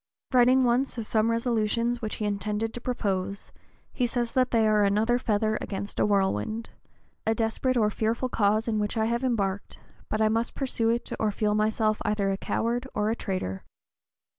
Writing once of some resolutions which he intended to propose, he says that they are "another feather against a whirlwind. A desperate and fearful cause in which I have embarked, but I must pursue it or feel myself either a coward or a traitor."